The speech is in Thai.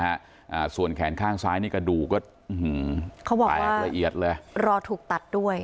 อ่าส่วนแขนข้างซ้ายนี่กระดูก็อืมเขาบอกว่ารอถูกตัดด้วย